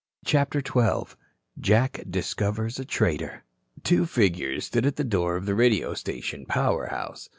CHAPTER XII JACK DISCOVERS A TRAITOR Two figures stood at the door of the radio station power house.